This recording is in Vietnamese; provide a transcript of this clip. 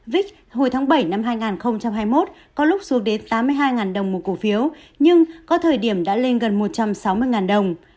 vict hồi tháng bảy năm hai nghìn hai mươi một có lúc xuống đến tám mươi hai đồng một cổ phiếu nhưng có thời điểm đã lên gần một trăm sáu mươi đồng